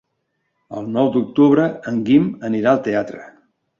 El nou d'octubre en Guim anirà al teatre.